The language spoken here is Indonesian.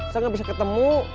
saya gak bisa ketemu